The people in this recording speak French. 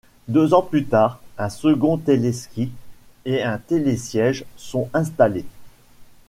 Deux ans plus tard, un second téléski et un télésiège sont installés.